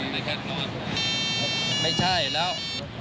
ไม่ใช่แล้ว